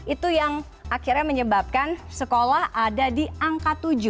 itu yang akhirnya menyebabkan sekolah ada di angka tujuh